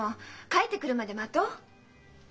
帰ってくるまで待とう。